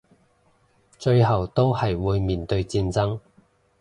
最後都係會面對戰爭